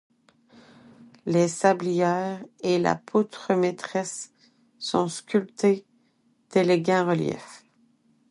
Les sablières et la poutre maîtresse sont sculptées d'élégants reliefs.